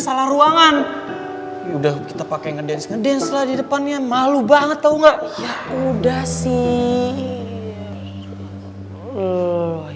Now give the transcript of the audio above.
salah ruangan udah kita pakai ngedence ngedance lah di depannya malu banget tahu enggak ya udah sih